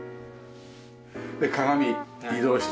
鏡移動してねえ。